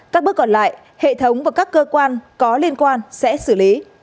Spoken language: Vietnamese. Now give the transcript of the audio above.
các bước còn lại hệ thống và các cơ quan có liên quan sẽ xử lý